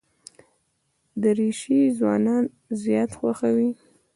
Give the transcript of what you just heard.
دریشي ځوانان زیات خوښوي.